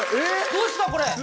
どうしたこれ。